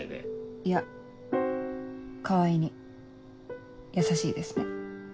いや川合に優しいですね。